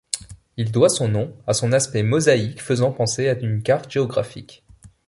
Il doit son nom à son aspect mosaïque faisant penser à une carte géographique.